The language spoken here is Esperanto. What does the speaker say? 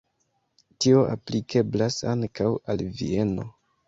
Tio aplikeblas ankaŭ al Vieno.